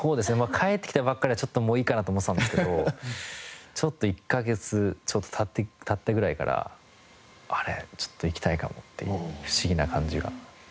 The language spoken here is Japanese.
帰ってきたばっかりはちょっともういいかなって思ってたんですけどちょっと１カ月ちょっと経ってぐらいから。っていう不思議な感じが。